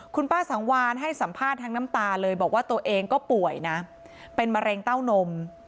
คุณป้าสังวานให้สัมภาษณ์ทั้งน้ำตาเลยบอกว่าตัวเองก็ป่วยนะเป็นมะเร็งเต้านม